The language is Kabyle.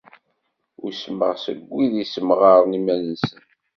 Usmeɣ seg wid issemɣaren iman-nsen.